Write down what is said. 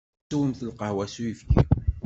Ad teswemt lqahwa s uyefki.